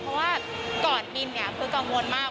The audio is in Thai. เพราะว่าก่อนบินเนี่ยคือกังวลมาก